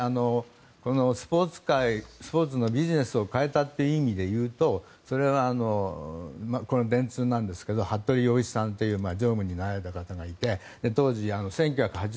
スポーツ界、スポーツビジネスを変えたという意味で言うとそれは、これも電通なんですが服部庸一さんという常務になられた方がいて当時、１９８２年に。